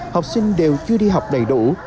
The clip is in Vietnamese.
học sinh đều chưa đi học đầy đủ